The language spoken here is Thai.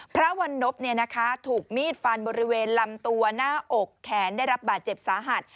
พระวันนพถูกมีดฟันบริเวณลำตัวหน้าอกแขนได้รับบาดเจ็บสาหัส